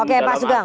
oke pak sugang